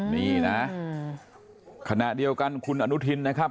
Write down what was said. นี่นะขณะเดียวกันคุณอนุทินนะครับ